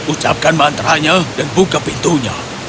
ucapkan mantra nya dan buka pintunya